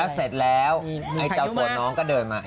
แล้วเสร็จแล้วไอ้เจาะสวนน้องก็เดินมา